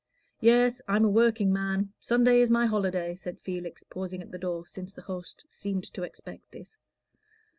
"Yes, I'm a workingman; Sunday is my holiday," said Felix, pausing at the door since the host seemed to expect this.